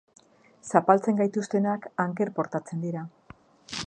Zapaltzen gaituztenak anker portatzen dira.